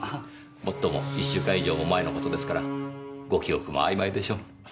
もっとも１週間以上も前の事ですからご記憶も曖昧でしょう。